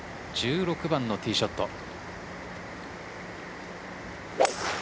１６番のティーショット。